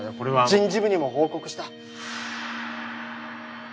人事部にも報告した。